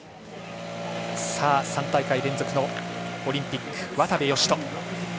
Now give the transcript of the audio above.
３大会連続のオリンピック渡部善斗。